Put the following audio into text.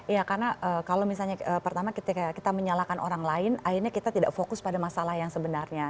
iya karena kalau misalnya pertama ketika kita menyalahkan orang lain akhirnya kita tidak fokus pada masalah yang sebenarnya